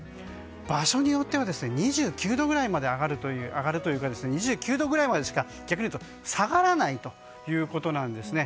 場所によっては２９度くらいまで上がるという２９度くらいまでしか逆にいうと下がらないということですね。